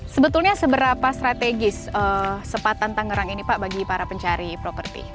sebetulnya seberapa strategis sepatan tangerang ini pak bagi para pencari properti